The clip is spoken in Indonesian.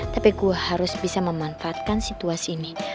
tapi gue harus bisa memanfaatkan situasi ini